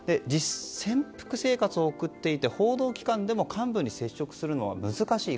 潜伏生活を送っていて報道機関でも幹部に接触するのは難しい。